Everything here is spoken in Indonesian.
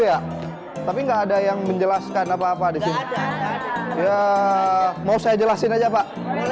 ya tapi enggak ada yang menjelaskan apa apa disini mau saya jelasin aja pak